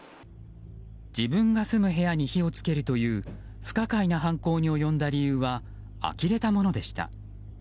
自分が住む部屋に火を付けるという不可解な犯行に及んだ理由はあきれたものでした。